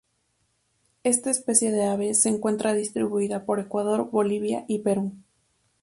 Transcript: Esta especie de ave se encuentra distribuida por Ecuador, Bolivia y Perú.